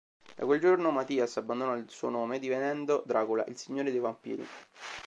Da quel giorno, Mathias abbandonò il suo nome divenendo Dracula, il signore dei vampiri.